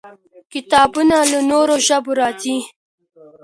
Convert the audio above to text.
کتابونه له نورو ژبو راځي.